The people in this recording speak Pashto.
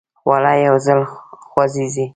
خوله یو ځل خوځي.